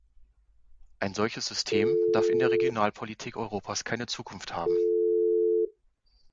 Ein solches System darf in der Regionalpolitik Europas keine Zukunft haben!